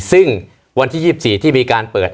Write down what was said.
ซึ่งวันที่๒๔ที่มีการเปิด